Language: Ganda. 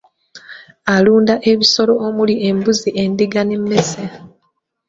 Alunda ebisolo omuli embuzi endiga n'emmese.